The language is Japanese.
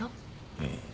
うん。